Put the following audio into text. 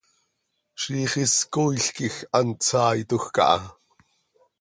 Ziix is cooil quij hant saitoj caha.